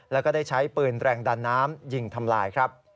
แล้วก็ได้ใช้ปืนแรงดันน้ำยิงทำลายครับ